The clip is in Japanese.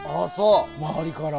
周りから。